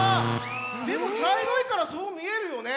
でもちゃいろいからそうみえるよね。